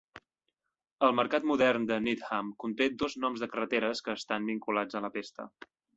El mercat modern de Needham conté dos noms de carreteres que estan vinculats a la pesta.